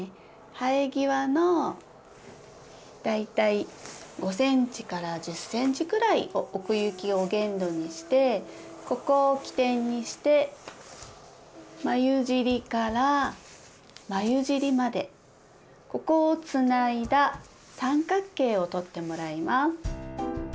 生え際の大体５ｃｍ１０ｃｍぐらい奥行きを限度にしてここを基点にして眉尻から眉尻までここをつないだ三角形をとってもらいます。